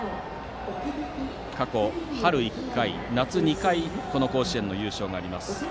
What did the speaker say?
過去春１回、夏２回この甲子園の優勝があります。